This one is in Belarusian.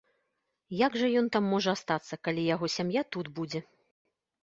Як жа ён там можа астацца, калі яго сям'я тут будзе.